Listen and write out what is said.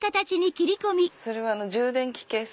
それは充電器ケース。